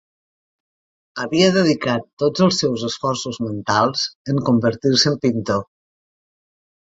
Havia dedicat tots els seus esforços mentals en convertir-se en pintor.